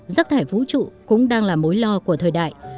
rác thải vũ trụ cũng đang là mối lo của thời đại